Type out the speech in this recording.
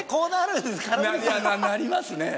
いやなりますね。